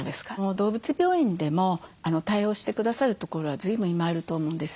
動物病院でも対応してくださるところはずいぶん今あると思うんです。